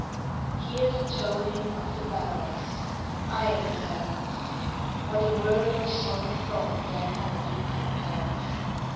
Hear the tolling of the bells Iron bells! What a world of solemn thought their monody compels!